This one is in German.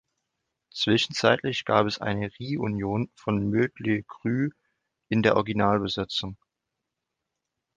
Zwischenzeitlich gab es eine Reunion von Mötley Crüe in der Originalbesetzung.